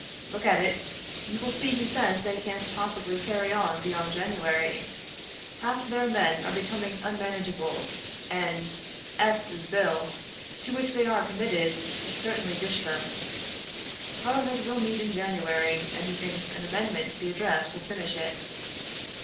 "Look at it. You will see he says they can't possibly carry on beyond January. Half their men are becoming unmanageable, and S 's bill, to which they are committed, will certainly dish them. Parliament will meet in January, and he thinks an amendment to the Address will finish it.